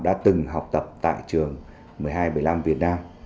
đã từng học tập tại trường một nghìn hai trăm bảy mươi năm việt nam